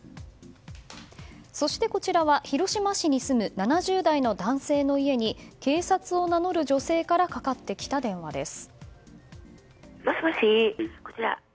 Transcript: そして、こちらは広島市に住む７０代の男性の家に警察を名乗る女性からかかってきた電話です。